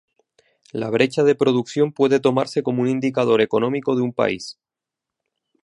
La brecha de producción puede tomarse como un indicador económico de un país.